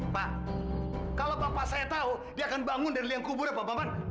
pak kalau pak maman saya tahu dia akan bangun dari liang kubur pak maman